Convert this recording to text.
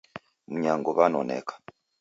Mnyango wanoneka.